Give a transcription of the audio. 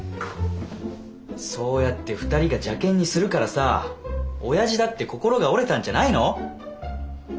そうやって２人が邪けんにするからさオヤジだって心が折れたんじゃないの？